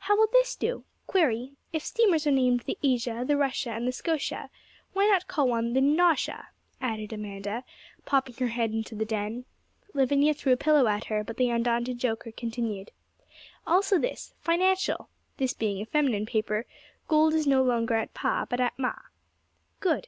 How will this do? Query If steamers are named the "Asia," the "Russia," and the "Scotia," why not call one the "Nausea?"' added Amanda, popping her head into the den. Lavinia threw a pillow at her, but the undaunted joker continued 'Also this: Financial This being a feminine paper, gold is no longer at Pa, but at Ma.' 'Good!